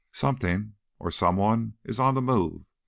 "Something or someone is on the move